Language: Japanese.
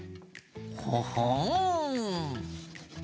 ほほん。